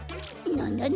なんだ？